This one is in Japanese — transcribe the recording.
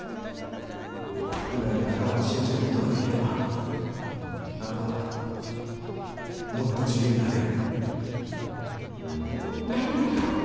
今より仲間を信じることができればあなたはもっと自由になれる。